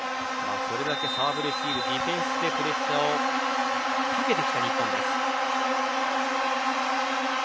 それだけサーブレシーブ、ディフェンスでプレッシャーをかけてきた日本です。